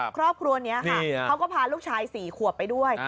ครอบครัวนี้ค่ะเขาก็พาลูกชาย๔ขวบไปด้วย